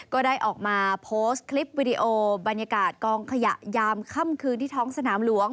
ก็ได้ออกมาโพสต์คลิปวิดีโอบรรยากาศกองขยะยามค่ำคืนที่ท้องสนามหลวง